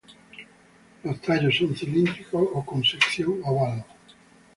Los tallos son cilíndricos o con sección oval.